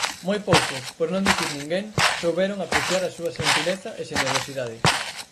Moi poucos, por non dicir ninguén, souberon apreciar a súa xentileza e xenerosidade.